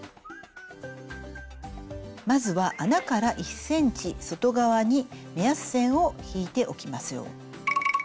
まずは穴から１ｃｍ外側に目安線を引いておきましょう。